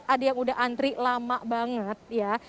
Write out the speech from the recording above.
ada yang udah antri lama banget ya